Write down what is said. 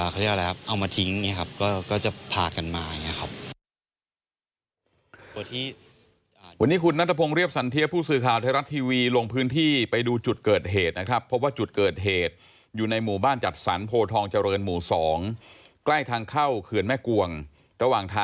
เขาเรียกว่าอะไรครับเอามาทิ้งนะครับ